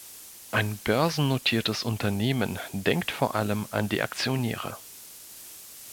Ein börsennotiertes Unternehmen denkt vor allem an die Aktionäre“.